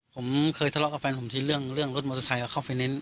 ผมเคยทะเลาะกับแฟนผมที่เรื่องเรื่องรถมอเตอร์ไซค์กับเข้าไฟแนนซ์